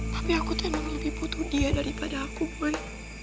papi aku tuh emang lebih butuh dia daripada aku boy